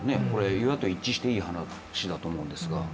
与野党一致していい話だと思うんですが。